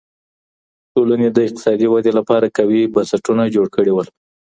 ټولني د اقتصادي ودي لپاره قوي بنسټونه جوړ کړي وو.